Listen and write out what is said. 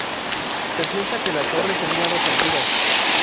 Se piensa que la torre tenía dos alturas.